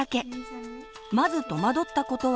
まず戸惑ったことは。